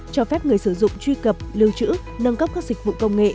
cho phép người sử dụng truy cập lưu trữ nâng cấp các dịch vụ công nghệ